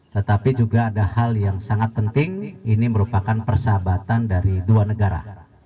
tetapi juga ada hal yang sangat penting ini merupakan persahabatan dari dua negara